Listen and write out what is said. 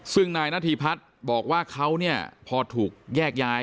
ซึ่งนายนาธิพัฒน์บอกว่าเขาเนี่ยพอถูกแยกย้าย